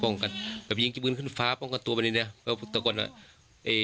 ป้องกันแบบยิงพื้นขึ้นฟ้าป้องกดตัวแบบนี้นะแบบพวกเจ้าก่อนน่ะ